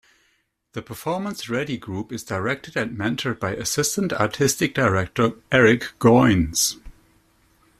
The Performance Ready Group is directed and mentored by Assistant Artistic Director, Eric Goins.